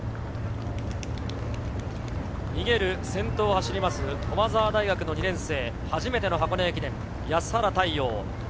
逃げる先頭を走る駒澤大学の２年生、初めての箱根駅伝、安原太陽。